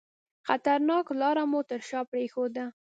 خطرناکه لار مو تر شاه پرېښوده.